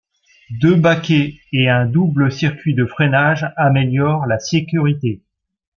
Deux baquets et un double circuit de freinage améliorent la sécurité.